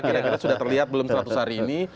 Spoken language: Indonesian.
kira kira sudah terlihat belum seratus hari ini